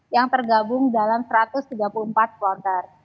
yang tergabung dalam satu ratus tiga puluh empat kloter